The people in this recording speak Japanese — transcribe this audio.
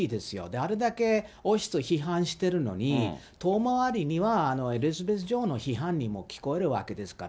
あれだけ王室批判してるのに、遠回りにはエリザベス女王の批判にも聞こえるわけですから。